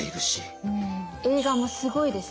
映画もすごいですよ！